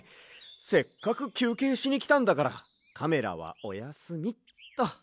せっかくきゅうけいしにきたんだからカメラはおやすみっと。